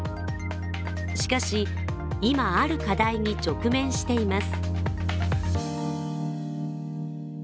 しかし、今、ある課題に直面しています。